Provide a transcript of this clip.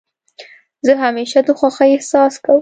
زه همېشه د خوښۍ احساس کوم.